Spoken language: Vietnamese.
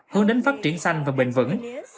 hướng đến phát triển xanh và bình vẩn